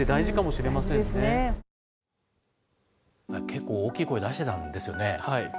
結構大きい声出してたんですよね。